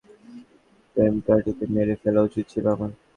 সুযোগ পাওয়া মাত্রই তোমার প্রেমিকাটিকে মেরে ফেলা উচিত ছিল আমার।